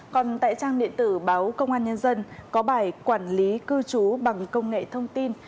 còn tại trang điện tử báo công an nhân dân có bài quản lý cư trú bằng công nghệ thông tin